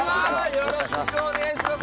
よろしくお願いします